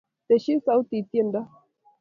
Teshi sautitab tyendo